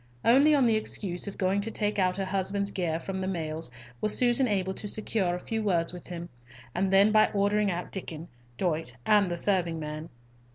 Only on the excuse of going to take out her husband's gear from the mails was Susan able to secure a few words with him, and then by ordering out Diccon, Dyot, and the serving man.